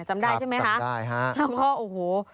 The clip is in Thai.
จำได้ใช่ไหมคะแล้วก็โอ้โฮ